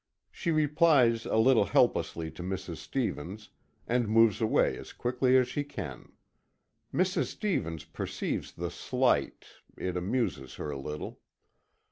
She replies a little helplessly to Mrs. Stevens, and moves away as quickly as she can. Mrs. Stevens perceives the slight it amuses her a little.